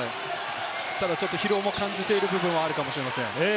ただちょっと疲労も感じている部分もあるかもしれません。